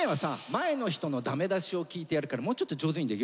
前の人のダメ出しを聞いてやるからもうちょっと上手にできる。